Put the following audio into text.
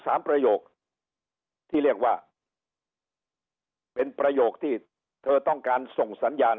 ประโยคที่เรียกว่าเป็นประโยคที่เธอต้องการส่งสัญญาณ